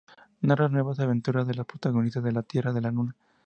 Narra nuevas aventuras de los protagonistas de "De la Tierra a la Luna".